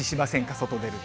外出ると。